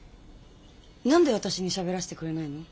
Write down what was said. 何で私にしゃべらせてくれないの？